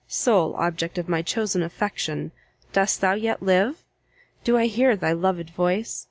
sole object of my chosen affection! dost thou yet live? do I hear thy loved voice?